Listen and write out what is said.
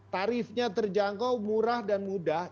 tarifnya terjangkau murah dan mudah